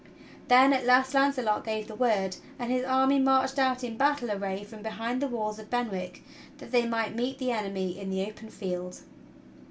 Then at last Launcelot gave the word, and his army marched out in battle array from behind the walls of Benwick that they might meet the enemy in the open field.